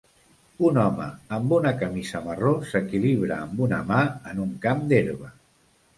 Un home amb una camisa marró s'equilibra amb una mà en un camp d'herba.